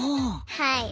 はい。